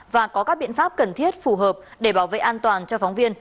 và có các biện pháp cần thiết phù hợp để bảo vệ an toàn cho phóng viên